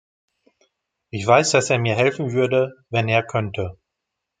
Ich weiß, dass er mir helfen würde, wenn er könnte.